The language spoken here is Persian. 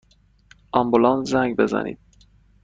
آمبولانس زنگ بزنید!